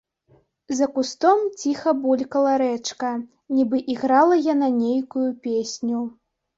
За кустом ціха булькала рэчка, нібы іграла яна нейкую песню.